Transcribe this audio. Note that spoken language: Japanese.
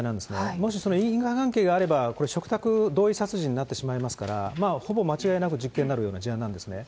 もしその因果関係があれば、これ、嘱託同意殺人になってしまいますから、ほぼ間違いなく実刑になるような事案なんですね。